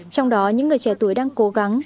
trong đó những người trẻ tuổi đang cố gắng